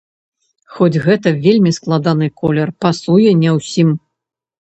Хоць гэта вельмі складаны колер, пасуе не ўсім!